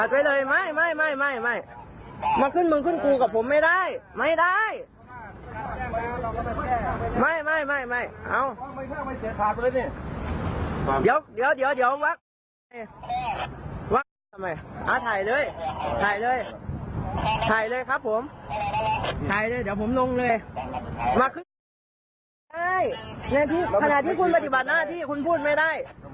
วันจังขิบเลยในที่ขณะที่คุณปฏิบัติหน้าที่คุณพูดไม่ได้